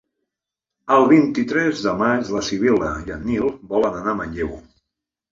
El vint-i-tres de maig na Sibil·la i en Nil volen anar a Manlleu.